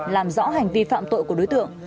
làm rõ hành vi phạm tội của đối tượng